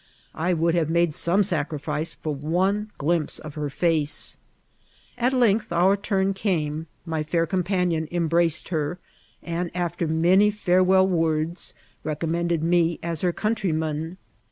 I would hare made some sacrifice tot one glimpse of her &ce. At length our turn came ; my f&k o(Hnpanion embraced her, and, after many fere* well words, recommended me as her countryman.